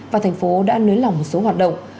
và thành phố đã nới lỏng một số hoạt động